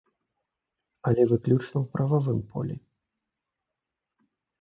Але выключна ў прававым полі.